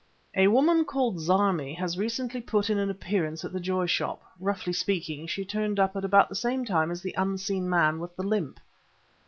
"A woman called Zarmi has recently put in an appearance at the Joy Shop. Roughly speaking, she turned up at about the same time as the unseen man with the limp...."